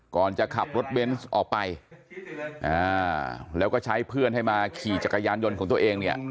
ก่อนจะขับรถเบนส์ออกไปแล้วก็ใช้เพื่อนให้มาขี่จักรยานยนต์ของตัวเองเนี่ย